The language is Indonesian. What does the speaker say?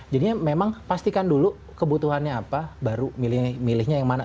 jadi memang pastikan dulu kebutuhannya apa baru milih milihnya yang mana